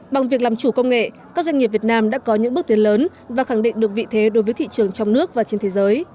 bằng việc làm chủ công nghệ các doanh nghiệp việt nam đã có những bước tiến lớn và khẳng định được vị thế đối với thị trường trong nước và trên thế giới